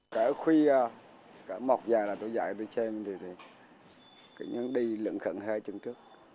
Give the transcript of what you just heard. cả khuya cả mọc dài là tôi dạy tôi xem thì đi lượng khẩn hệ chân trước